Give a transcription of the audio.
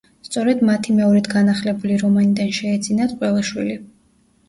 სწორედ მათი მეორედ განახლებული რომანიდან შეეძინათ ყველა შვილი.